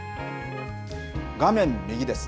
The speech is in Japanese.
画面右です。